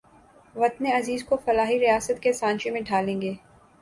وطن عزیز کو فلاحی ریاست کے سانچے میں ڈھالیں گے